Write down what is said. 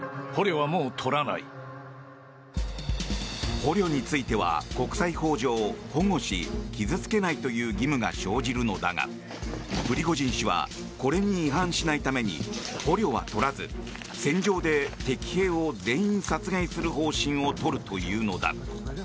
捕虜については国際法上保護し、傷付けないという義務が生じるのだがプリゴジン氏はこれに違反しないために捕虜は取らず、戦場で敵兵を全員殺害する方針を取るというのだ。